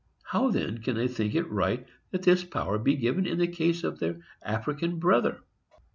How, then, can they think it right that this power be given in the case of their African brother?